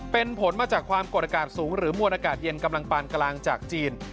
เป็นผลมาจากความกดอากาศสูงหรือมวลอากาศเย็นกำลังปานกลางจากจีน